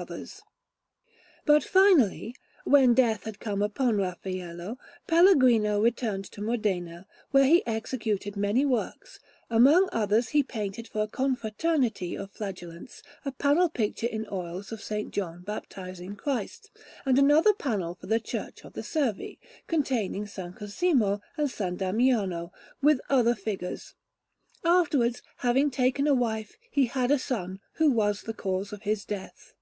Maria della Passione_) Anderson] But finally, when death had come upon Raffaello, Pellegrino returned to Modena, where he executed many works; among others, he painted for a Confraternity of Flagellants a panel picture in oils of S. John baptizing Christ, and another panel for the Church of the Servi, containing S. Cosimo and S. Damiano, with other figures. Afterwards, having taken a wife, he had a son, who was the cause of his death.